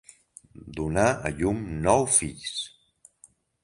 Donà a llum nou fills.